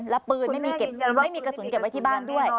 แล้วปืนไม่มีกระสุนเก็บไว้ที่บ้านด้วย